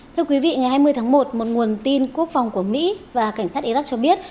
thưa quý vị ngày hai mươi tháng một một nguồn tin quốc phòng của mỹ và cảnh sát iraq cho biết